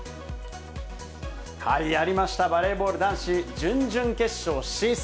やりました、バレーボール男子、準々決勝進出。